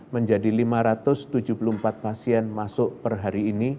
menjadi lima ratus tujuh puluh empat pasien masuk per hari ini